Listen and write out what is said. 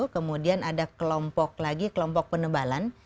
kemudian ada kelompok lagi kelompok penebalan